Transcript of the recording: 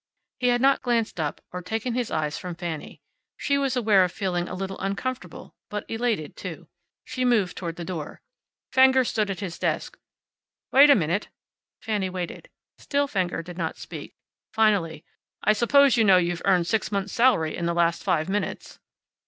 He had not glanced up, or taken his eyes from Fanny. She was aware of feeling a little uncomfortable, but elated, too. She moved toward the door. Fenger stood at his desk. "Wait a minute." Fanny waited. Still Fenger did not speak. Finally, "I suppose you know you've earned six months' salary in the last five minutes."